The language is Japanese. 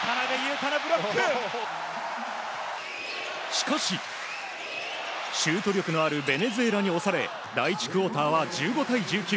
しかしシュート力のあるベネズエラに押され第１クオーターは１５対１９。